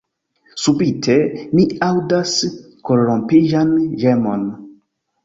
Subite, mi aŭdas korrompiĝan ĝemon.